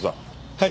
はい。